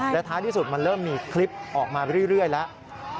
และท้ายที่สุดมันเริ่มมีคลิปออกมาเรื่อยแล้ว